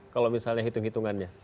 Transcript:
kalau misalnya hitung hitungannya